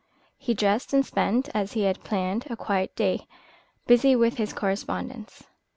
He dressed and spent, as he had planned, a quiet day, busy with his correspondence.